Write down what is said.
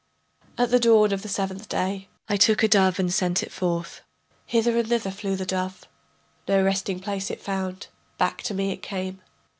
At the dawn of the seventh day I took a dove and sent it forth. Hither and thither flew the dove, No resting place it found, back to me it came.